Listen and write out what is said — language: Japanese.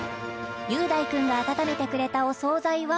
雄大君が温めてくれたお総菜は？